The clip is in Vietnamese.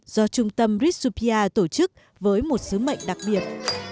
do trung tâm risupia tổ chức với một sứ mệnh đặc biệt